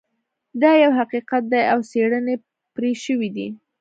دا یو حقیقت دی او څیړنې پرې شوي دي